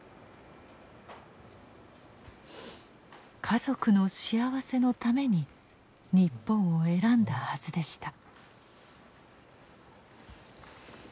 家族の幸せのために日本を選んだはずでした。